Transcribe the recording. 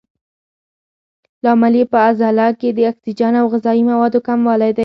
لامل یې په عضله کې د اکسیجن او غذایي موادو کموالی دی.